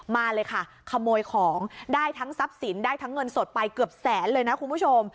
มาเลยค่ะขโมยของได้ทั้งทรัพย์สินได้ทั้งเงินสดไปเกือบแสนเลยนะคุณผู้ชม